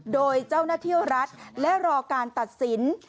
โดยเจ้าหน้าที่รัฐและรอการตัดสิน